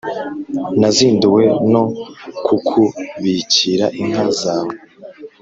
«nazinduwe no kukubikira inka zawe,